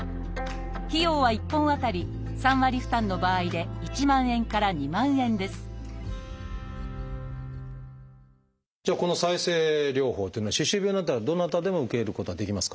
費用は１本あたり３割負担の場合で１万円から２万円ですじゃあこの再生療法というのは歯周病になったらどなたでも受けることはできますか？